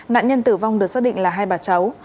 nạn nhân tử vong được xác định là hai bà cháu